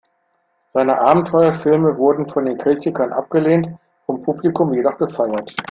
Seine Abenteuerfilme wurden von den Kritikern abgelehnt, vom Publikum jedoch gefeiert.